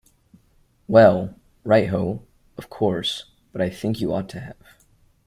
Well, right-ho, of course, but I think you ought to have.